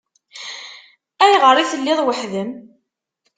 Ayɣer i telliḍ weḥd-m?